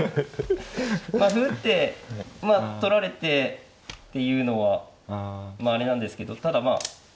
まあ歩打ってまあ取られてっていうのはまああれなんですけどただまあ。